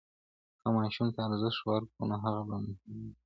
که ماشوم ته ارزښت ورکړو، نو هغه به مهربان سي.